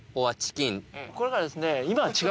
これがですね。